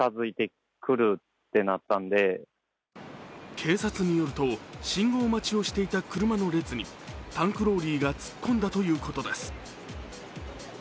警察によると、信号待ちをしていた車の列にタンクローリーが突っ込んだということです。